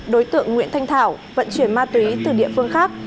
đối tượng nguyễn thanh thảo vận chuyển ma túy từ địa phương khác